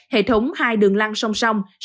hệ thống hai đường lăng song song